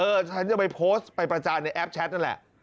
ฉันจะไปโพสต์ไปประจานในแอปแชทนั่นแหละ